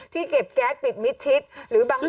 เก็บแก๊สปิดมิดชิดหรือบาง